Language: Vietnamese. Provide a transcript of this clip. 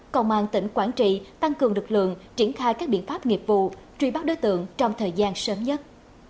công an tỉnh quảng trị tăng cường lực lượng triển khai các biện pháp nghiệp vụ truy bắt đối tượng trong thời gian sớm nhất